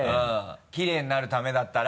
きれいになるためだったら。